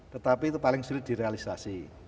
tetapi itu paling sulit direalisasi